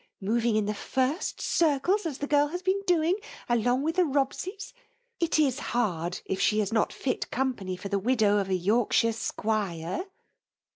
Moving in the first circles, a& the girl has been doing along with the Bob« sejs, it is hard if she is not fit company for the widow of a Yorkshire 'squire.